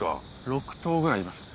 ６頭ぐらいいます。